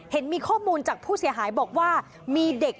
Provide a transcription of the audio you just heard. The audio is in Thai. เห็นมีข้อมูลจากผู้เสียหายบอกว่ามีเด็ก